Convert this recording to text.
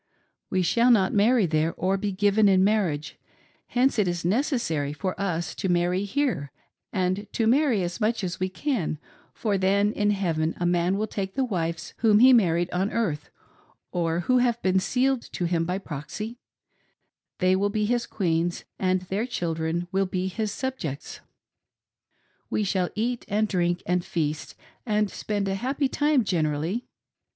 We shall not marry there or be given in marriage ; hence it is necessary for us to marry here, and to marry as much as we can, for then in heaven a man will take the wives whom he married on earth, or who have been sealed to him by proxy ; they will be his queens, and their children will be his subjects. We shall eat, and drink, and feast, and spend a happy time generally.